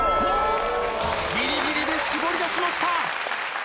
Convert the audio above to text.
ギリギリで絞り出しました。